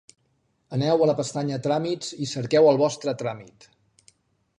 Aneu a la pestanya Tràmits i cerqueu el vostre tràmit.